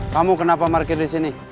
kamu kenapa parkir di sini